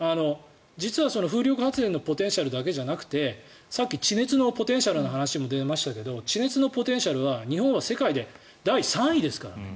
実は風力発電のポテンシャルだけじゃなくてさっき地熱のポテンシャルの話も出ましたが地熱のポテンシャルは日本は世界で第３位ですからね。